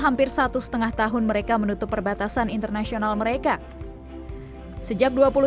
hampir satu setengah tahun mereka menutup perbatasan internasional mereka sejak dua puluh